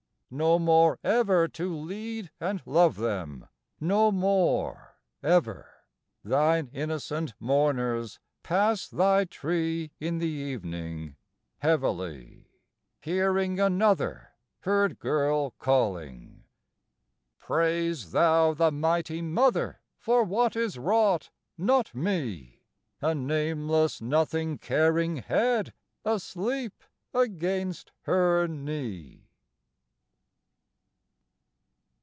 No more ever to lead and love them, No more ever. Thine innocent mourners Pass thy tree in the evening Heavily, Hearing another herd girl calling. XIII Praise thou the Mighty Mother for what is wrought, not me, A nameless nothing caring head asleep against her knee.